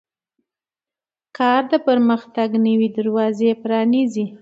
کار د پرمختګ نوې دروازې پرانیزي